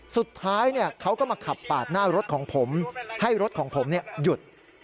สุดท้ายเขาก็มาขับปาดหน้ารถของผมให้รถของผมหยุด